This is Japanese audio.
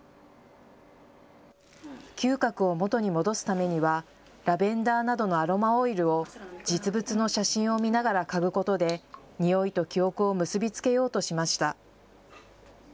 嗅覚を元に戻すためにはラベンダーなどのアロマオイルを実物の写真を見ながら嗅ぐことでにおいと記憶を結び付けようとしました。